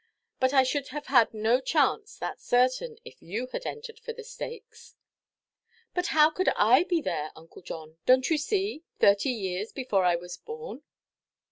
But I should have had no chance, thatʼs certain, if you had entered for the stakes." "But how could I be there, Uncle John, donʼt you see, thirty years before I was born?"